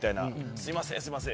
「すいませんすいません」